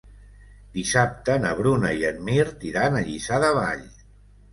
Dissabte na Bruna i en Mirt iran a Lliçà de Vall.